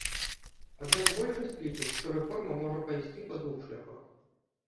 Аднак большасць лічаць, што рэформа можа пайсці па двух шляхах.